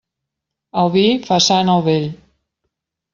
El vi fa sant el vell.